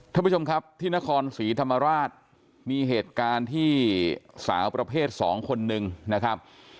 ท่านผู้ชมครับที่นครศรีธรรมราชมีเหตุการณ์ที่สาวประเภทสองคนนึงนะครับ